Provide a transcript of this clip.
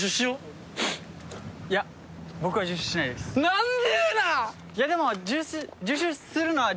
何でえな？